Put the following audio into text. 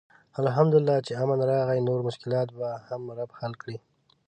الحمدالله چې امن راغی، نور مشکلات به هم رب حل کړي.